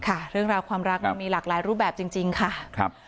ค่ะเรื่องราวความรักมันมีหลากหลายรูปแบบจริงค่ะ